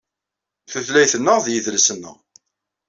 Tutlayt-nneɣ d yidles-nneɣ.